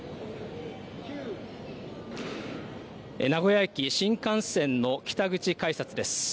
名古屋駅、新幹線の北口改札です。